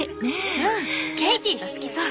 うんケイティが好きそう！